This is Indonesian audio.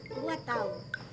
heee gua tau